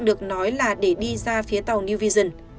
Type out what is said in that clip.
được nói là để đi ra phía tàu new vision